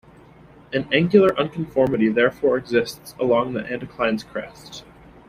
An angular unconformity therefore exists along the anticline's crest.